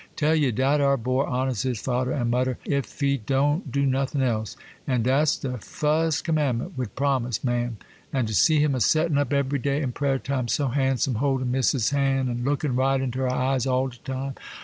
'Tell ye, dat ar' boy honours his fader and mudder, ef he don't do nuffin else,—an' dat's de fus' commandment wid promise, ma'am; and to see him a settin' up ebery day in prayer time, so handsome, holdin' Missus's han', an' lookin' right into her eyes all de time!